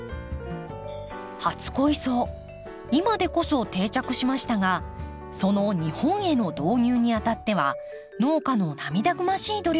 初恋草今でこそ定着しましたがその日本への導入にあたっては農家の涙ぐましい努力がありました。